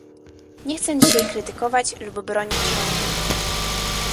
Nie chcę dzisiaj krytykować lub bronić rządu